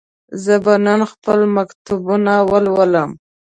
زه به نن خپل مکتوبونه ولولم.